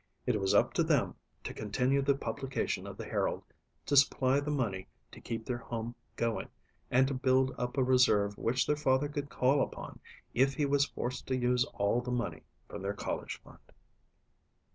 It was up to them to continue the publication of the Herald, to supply the money to keep their home going and to build up a reserve which their father could call upon if he was forced to use all the money from their college fund.